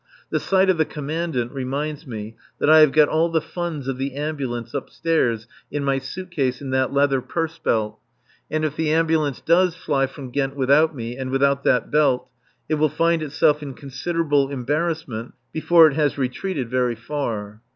The sight of the Commandant reminds me that I have got all the funds of the Ambulance upstairs in my suit case in that leather purse belt and if the Ambulance does fly from Ghent without me, and without that belt, it will find itself in considerable embarrassment before it has retreated very far.